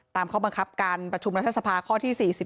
ตามข้อบังคับการประชุมรัฐทรัศนภาค่อที่๔๑